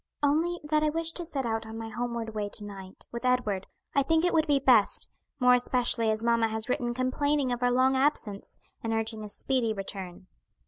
"Only that I wish to set out on my homeward way to night, with Edward. I think it would be best, more especially as mamma has written complaining of our long absence, and urging a speedy return."